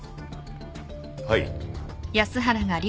はい。